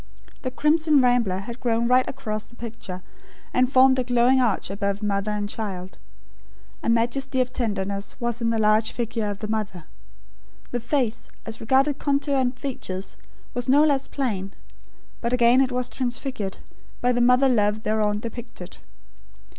The crimson rambler had grown right across the picture, and formed a glowing arch above mother and child. A majesty of tenderness was in the large figure of the mother. The face, as regarded contour and features, was no less plain; but again it was transfigured, by the mother love thereon depicted.